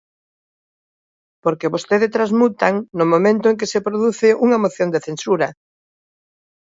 Porque vostedes transmutan no momento en que se produce unha moción de censura.